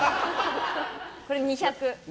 これ、２００。